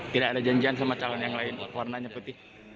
tidak ada janjian sama calon yang lain warnanya putih